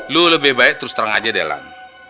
lu lebih baik terus terang aja dalam